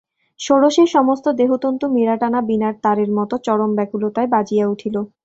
ষোড়শীর সমস্ত দেহতন্তু মীড়াটানা বীণার তারের মতো চরম ব্যকুলতায় বাজিয়া উঠিল।